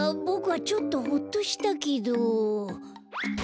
ボクはちょっとホッとしたけど。